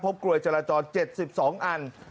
กลวยจราจร๗๒อัน